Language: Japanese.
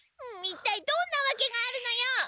一体どんなわけがあるのよ！？